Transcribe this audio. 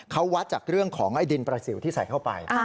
เขาวัดจากเรื่องของไอ้ดินประสิวที่ใส่เข้าไป